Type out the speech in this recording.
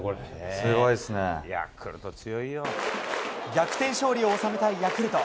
逆転勝利を収めたいヤクルト。